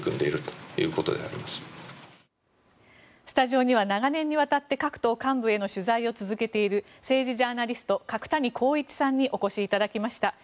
スタジオには長年にわたって各党幹部への取材を続けている政治ジャーナリスト角谷浩一さんにお越しいただきました。